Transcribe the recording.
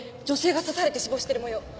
女性が刺されて死亡している模様。